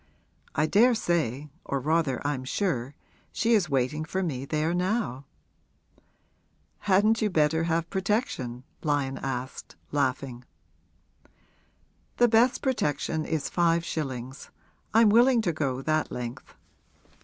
I daresay or rather I'm sure she is waiting for me there now.' 'Hadn't you better have protection?' Lyon asked, laughing. 'The best protection is five shillings I'm willing to go that length.